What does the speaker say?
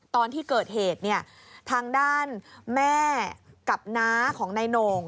ตอนที่เกิดเหตุเนี่ยทางด้านแม่กับน้าของนายโหน่ง